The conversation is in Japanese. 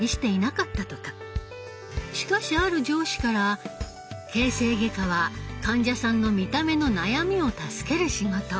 しかしある上司から「形成外科は患者さんの見た目の悩みを助ける仕事。